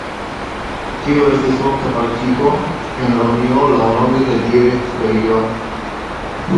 Tiu estis ofta praktiko en Romio laŭlonge de ĝia historio.